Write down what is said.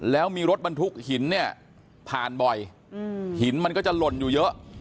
แล้วมีรถบรรทุกหินเนี่ยผ่านบ่อยหินมันก็จะหล่นอยู่เยอะ